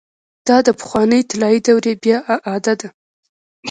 دا د پخوانۍ طلايي دورې بيا اعاده ده.